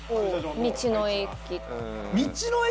道の駅。